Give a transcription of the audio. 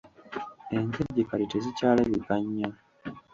Enkejje kati tezikyalabika nnyo.